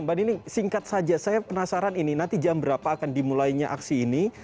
mbak nining singkat saja saya penasaran ini nanti jam berapa akan dimulainya aksi ini